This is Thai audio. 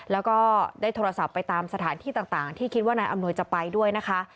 แล้วก็ได้โทรศัพท์ไปตามสถานที่ต่างที่คิดว่านายอำนวยจะไปด้วยนะคะ